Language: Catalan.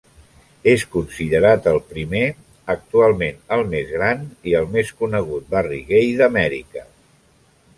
És considerat el primer, actualment el més gran, i el més conegut barri gai d'Amèrica.